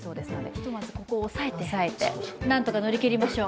ひとまずここを押さえて、何とか乗り切りましょう。